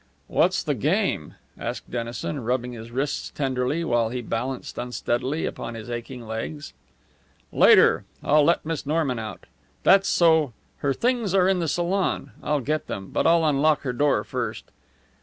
"What's the game?" asked Dennison, rubbing his wrists tenderly while he balanced unsteadily upon his aching legs. "Later! I'll let Miss Norman out. That's so her things are in the salon. I'll get them, but I'll unlock her door first."